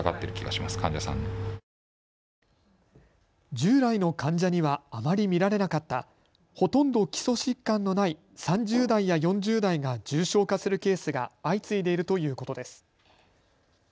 従来の患者にはあまり見られなかったほとんど基礎疾患のない３０代や４０代が重症化するケースが相次いでいるということです。